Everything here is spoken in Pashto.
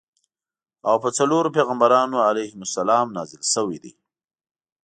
او په څلورو پیغمبرانو علیهم السلام نازل شویدي.